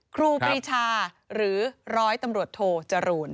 ครูปรีชาหรือร้อยตำรวจโทจรูล